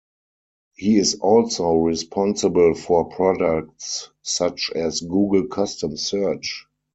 He is also responsible for products such as Google Custom Search.